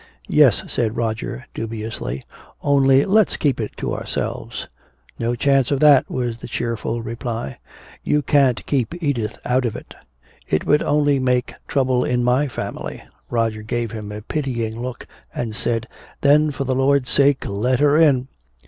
"Yes," said Roger, dubiously. "Only let's keep it to ourselves." "No chance of that," was the cheerful reply. "You can't keep Edith out of it. It would only make trouble in my family." Roger gave him a pitying look and said, "Then, for the Lord's sake, let her in!"